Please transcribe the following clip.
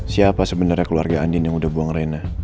siapa sebenarnya keluarga andin yang udah buang rena